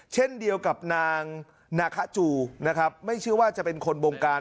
เช่นเดียวกับนางนาคาจูนะครับไม่เชื่อว่าจะเป็นคนบงการ